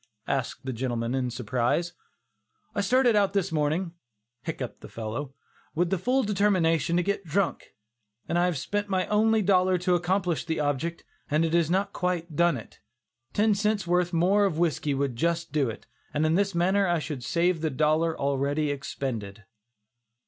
asked the gentleman in surprise. "I started out this morning (hiccupped the fellow) with the full determination to get drunk, and I have spent my only dollar to accomplish the object, and it has not quite done it. Ten cents worth more of whiskey would just do it, and in this manner I should save the dollar already expended."